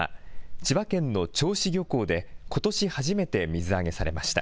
千葉県の銚子漁港で、ことし初めて水揚げされました。